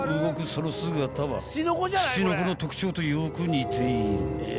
その姿はツチノコの特徴とよく似ている］